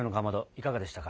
いかがでしたか。